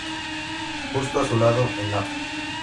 Justo a su lado, en Av.